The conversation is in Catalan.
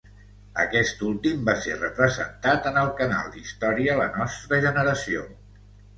Aquest últim va ser representat en el canal d'història "la nostra generació".